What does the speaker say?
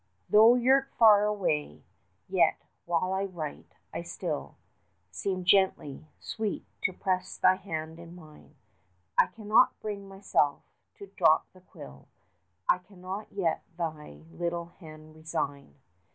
Thou'rt far away! Yet, while I write, I still Seem gently, Sweet, to press thy hand in mine; I cannot bring myself to drop the quill, I cannot yet thy little hand resign!